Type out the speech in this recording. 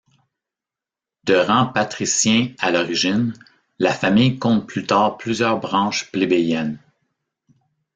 De rang patricien à l'origine, la famille compte plus tard plusieurs branches plébéiennes.